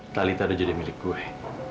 talitha udah jadi milik gue